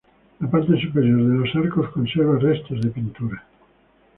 La parte superior de los arcos conserva restos de pintura.